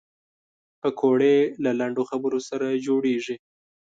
پکورې له لنډو خبرو سره جوړېږي